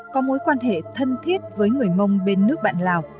có mối quan hệ thân thiết với người mông bên nước bạn lào